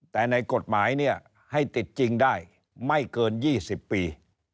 แต่ในกฎหมายเนี่ยให้ติดจริงได้ไม่เกิน๒๐ปี